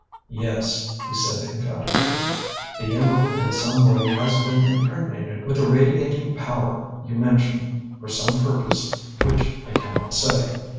"Yes," he said emphatically. "The emerald in some way has been impregnated with the radiating power you mention, for some purpose which I cannot say.